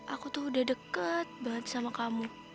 aku tuh udah deket banget sama kamu